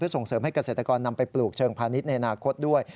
ส่งเสริมให้เกษตรกรนำไปปลูกเชิงพาณิชย์ในอนาคตด้วย